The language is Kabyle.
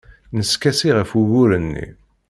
Neskasi ɣef wugur-nni.